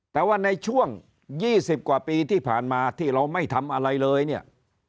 แต่ว่าในช่วง๒๐กว่าปีที่ผ่านมาที่เราไม่ทำอะไรเลยเนี่ย